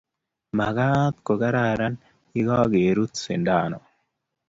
makad ko kararan ye kakerut sindano.